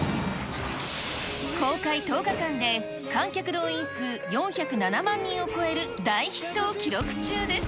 公開１０日間で、観客動員数４０７万人を超える大ヒットを記録中です。